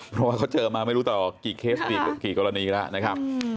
เพราะว่าเขาเจอมาไม่รู้ต่อกี่เคสกี่กรณีแล้วนะครับ